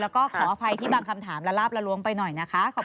แล้วก็ขออภัยที่บางคำถามละลาบละล้วงไปหน่อยนะคะ